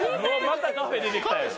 またカフェ出てきたやん。